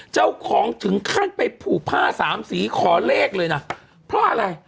ถึงขั้นไปผูกผ้าสามสีขอเลขเลยนะเพราะอะไร